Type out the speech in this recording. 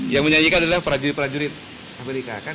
yang menyanyikan adalah para jurid para jurid